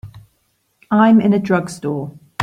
I'm in a drugstore.